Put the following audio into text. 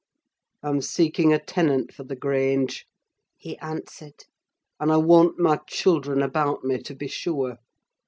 "I'm seeking a tenant for the Grange," he answered; "and I want my children about me, to be sure.